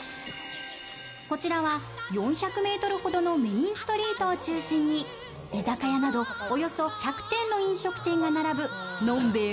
こちらは４００ｍほどのメインストリートを中心に居酒屋などおよそ１００店の飲食店が並ぶ飲んべえ